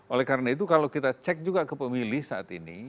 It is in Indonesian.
oleh karena itu kalau kita cek juga ke pemilih saat ini